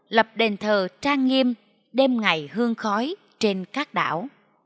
lập đền thờ trang nghiêm ngày hương khói trên các đảo